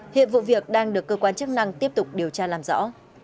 hiện vụ việc đang được cơ quan chức năng tiếp tục điều tra làm rõ